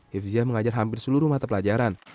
hifziah mengajar hampir seluruh mata pelajaran